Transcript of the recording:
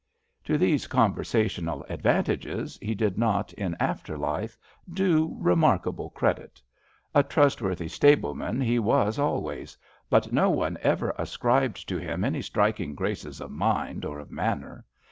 To these conversational advantages he did not in after life do remarkable credit. A trustworthy stableman he was always, but no one ever ascribed to him any striking graces of mind or of manner.